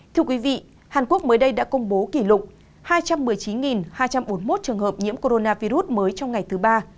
thưa quý vị hàn quốc mới đây đã công bố kỷ lục hai trăm một mươi chín hai trăm bốn mươi một trường hợp nhiễm coronavirus mới trong ngày thứ ba